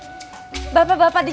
bapak bapaknya pada belanja dok